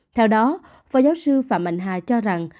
theo đó phó giáo sư phạm mạnh hà cho rằng